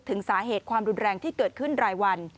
ถึงสาเหตุความรุนแรงที่เกิดขึ้นรายวัน